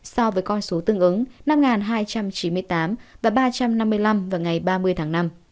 so với con số tương ứng năm hai trăm chín mươi tám và ba trăm năm mươi năm vào ngày ba mươi tháng năm